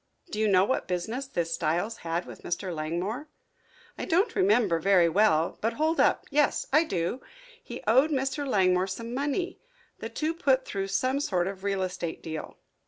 "Do you know what business this Styles had with Mr. Langmore?" "I don't remember very well but hold up, yes, I do. He owed Mr. Langmore some money. The two put through some sort of real estate deal."